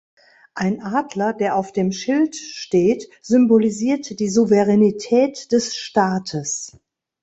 Ein Adler, der auf dem Schild steht, symbolisiert die Souveränität des Staates.